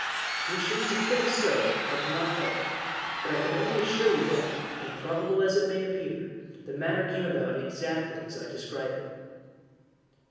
If you choose to think so I cannot help it, but can only assure you that, improbable as it may appear, the matter came about exactly as I describe it.